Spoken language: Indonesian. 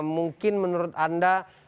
mungkin menurut anda